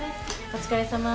お疲れさま。